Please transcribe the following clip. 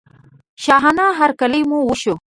شاهانه هرکلی مو وشو.